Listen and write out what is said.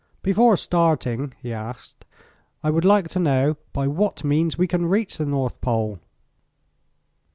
"Before starting" he asked, "I would like to know by what means we can reach the North Pole?"